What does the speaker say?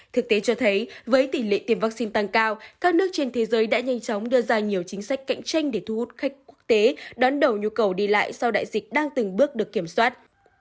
thực tế cho thấy với tỷ lệ tiêm vaccine tăng cao các nước trên thế giới đã nhanh chóng đưa ra nhiều chính sách cạnh tranh để thu hút khách quốc tế đón đầu nhu cầu đi lại sau đại dịch đang từng bước được kiểm soát